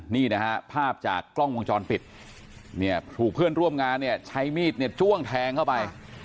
นี่นะฮะภาพจากกล้องวงจรปิดเนี่ยถูกเพื่อนร่วมงานเนี่ยใช้มีดเนี่ยจ้วงแทงเข้าไป